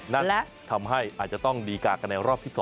นั่นแหละทำให้อาจจะต้องดีกากันในรอบที่๒